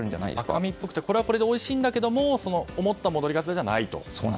赤身っぽくて、これはこれでおいしいんだけれどもその思った戻りガツオじゃないと。